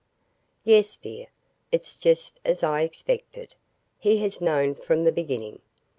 "Yes, dear. It's just as I expected. He has known from the beginning.